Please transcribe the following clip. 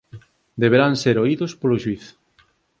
Deberán ser oídos polo xuíz